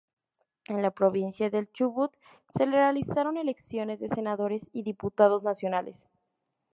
En la provincia del Chubut se realizaron elecciones de senadores y diputados nacionales.